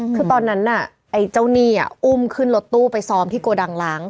คือตอนนั้นน่ะไอ้เจ้าหนี้อุ้มขึ้นรถตู้ไปซ้อมที่โกดังล้าง